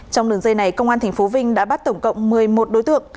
trong đường dây này công an tp vinh đã bắt tổng cộng một mươi một đối tượng